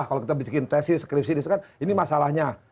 kalau kita bikin tesis skripsi ini masalahnya